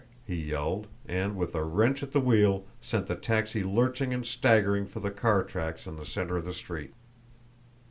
he yelled, and, with a wrench at the wheel, sent the taxi lurching and staggering for the car tracks in the centre of the street.